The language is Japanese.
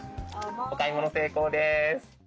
お買い物成功です。